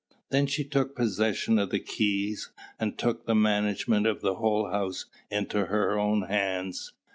Then she took possession of the keys and took the management of the whole house into her own hands.